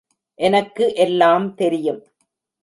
எனக்கு எல்லாம் தெரியும்.